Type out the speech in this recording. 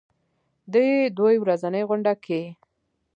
دې دوه ورځنۍ غونډه کې